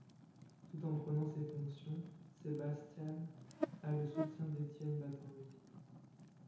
Tout en prenant ses fonctions, Sebastian a le soutien d'Étienne Báthory.